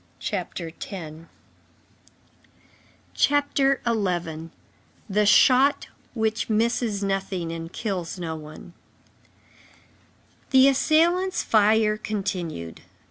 CHAPTER XI—THE SHOT WHICH MISSES NOTHING AND KILLS NO ONE The assailants' fire continued.